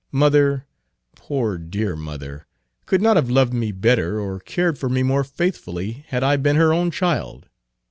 Mother poor, dear mother! could not have loved me better or cared for me more faithfully had I been her own child.